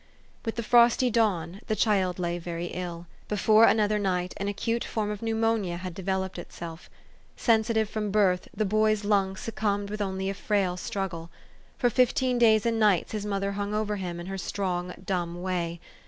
With the frosty dawn the child lay very ill. Be fore another night an acute form of pneumonia had developed itself. Sensitive from birth, the boy's lungs succumbed with only a frail struggle. For fif teen days and nights his mother hung over him in her strong, dumb way.